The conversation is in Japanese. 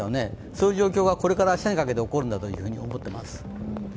そういう状況がこれから明日にかけて起こると思います。